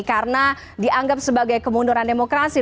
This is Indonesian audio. karena dianggap sebagai kemunduran demokrasi